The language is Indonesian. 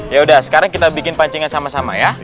yaudah sekarang kita bikin pancingan sama sama ya